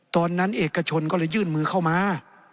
ตอนนั้นเอกชนก็เลยยื่นมือเข้ามา